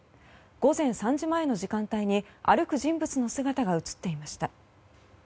午前３時前の時間帯に歩く人物の姿が映っていました。